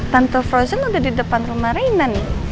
tante frozen udah di depan rumah reina nih